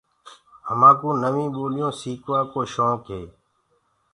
همآ ڪوُ نوينٚ ٻوليونٚ سيڪوآ ڪو شوڪ هي۔